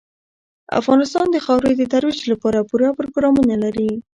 افغانستان د خاورې د ترویج لپاره پوره پروګرامونه لري.